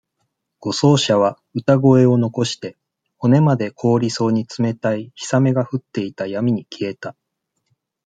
護送車は、歌声を残して、骨まで凍りそうに冷たい氷雨が降っていた闇に消えた。